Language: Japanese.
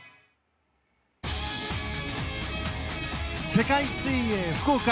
世界水泳福岡。